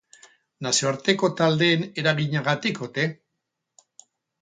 Nazioarteko taldeen eraginagatik ote?